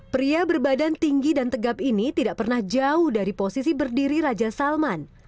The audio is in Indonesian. pria berbadan tinggi dan tegap ini tidak pernah jauh dari posisi berdiri raja salman